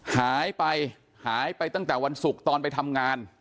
หายไปหายไปตั้งแต่วันศุกร์ตอนไปทำงาน